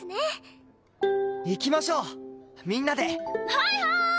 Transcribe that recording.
はいはーい！